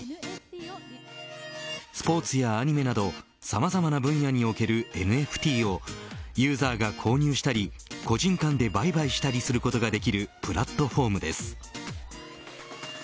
スポーツやアニメなどさまざまな分野におけるＮＦＴをユーザーが購入したり個人間で売買したりすることができるプラットフォームです。